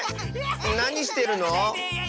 なにしてるの？